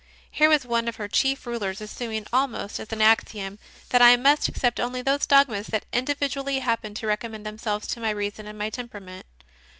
Here was one of her chief rulers assuming, almost as an axiom, that I must accept only those dogmas that individually happened to recommend themselves to my reason or my temperament.